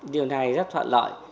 điều này rất thuận lợi